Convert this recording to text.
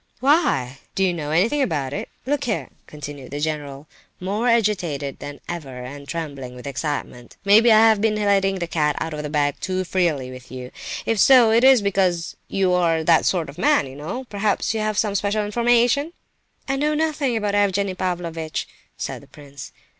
"Why? Do you know anything about it? Look here," continued the general, more agitated than ever, and trembling with excitement, "maybe I have been letting the cat out of the bag too freely with you, if so, it is because you are—that sort of man, you know! Perhaps you have some special information?" "I know nothing about Evgenie Pavlovitch!" said the prince.